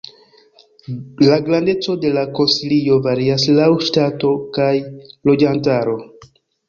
La grandeco de la konsilio varias laŭ ŝtato kaj loĝantaro.